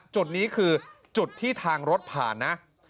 จุดนี้คือจุดที่ทางรถผ่านนะ